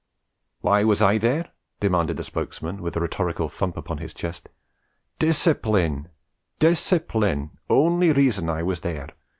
'Why was I there?' demanded the spokesman, with a rhetorical thump upon his chest. 'Dis cip line dis cip line only reason I was there.